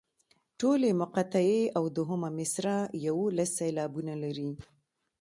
ټولې مقطعې او دوهمه مصرع یوولس سېلابونه لري.